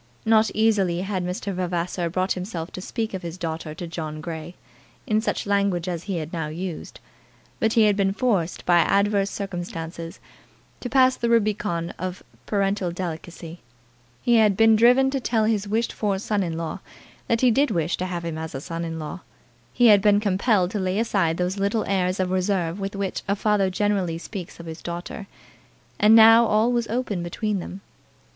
Not easily had Mr. Vavasor brought himself to speak of his daughter to John Grey, in such language as he had now used; but he had been forced by adverse circumstances to pass the Rubicon of parental delicacy; he had been driven to tell his wished for son in law that he did wish to have him as a son in law; he had been compelled to lay aside those little airs of reserve with which a father generally speaks of his daughter, and now all was open between them.